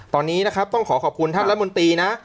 ตอนนี้นะครับต้องขอขอบคุณท่านรัฐมนตรีนะ